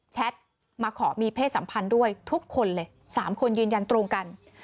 แท็ตมาขอมีเพศสัมพันธ์ด้วยทุกคนเลย๓คนยืนยันตรงกัน